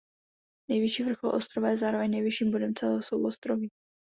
Nejvyšší vrchol ostrova je zároveň nejvyšším bodem celého souostroví.